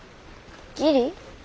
義理？